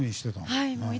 はい。